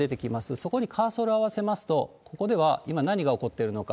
そこにカーソル合わせますと、ここでは今、何が起こっているのか。